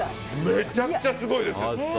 めちゃくちゃすごいですよ。